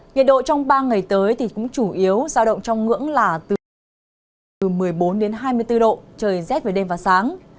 nhiệt độ trong ba ngày tới thì cũng chủ yếu giao động trong ngưỡng là từ một mươi bốn đến hai mươi bốn độ trời rét về đêm và sáng